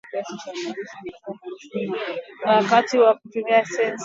wakati kikitumia sensa ya aina fulan, ikiwa na gharama ya dola mia moja hamsini za kimerekani